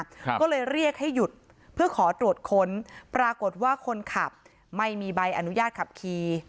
ก็เลยเรียกให้หยุดเพื่อขอตรวจค้นปรากฏว่าคนขับไม่มีใบอนุญาตขับขี่